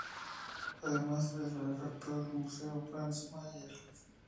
Además es benefactor del Museo Franz Mayer.